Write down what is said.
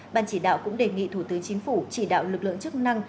ban chỉ đạo cũng đề nghị thủ tướng chính phủ chỉ đạo lực lượng chức năng